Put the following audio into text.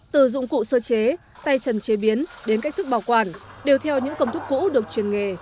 từ dụng cụ sơ chế tay trần chế biến đến cách thức bảo quản đều theo những công thức cũ được truyền nghề